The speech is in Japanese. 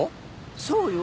そうよ。